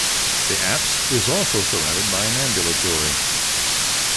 The apse is also surrounded by an ambulatory.